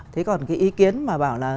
thế còn cái ý kiến mà bảo là